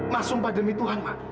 ma sumpah demi tuhan ma